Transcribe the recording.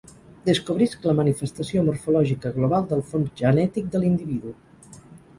Descobrisc la manifestació morfològica global del fons genètic de l'individu.